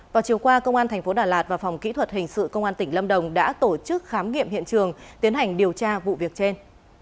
vào chiều qua công an tp đà lạt và phòng kỹ thuật hình sự công an tỉnh lâm đồng đã tổ chức khám nghiệm hiện trường tiến hành điều tra vụ việc trên